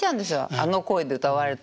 あの声で歌われると。